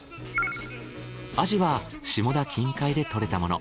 アジは下田近海で獲れたもの。